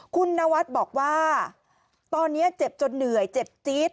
คุณนวัดบอกว่าตอนนี้เจ็บจนเหนื่อยเจ็บจี๊ด